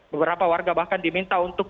beberapa warga bahkan diminta untuk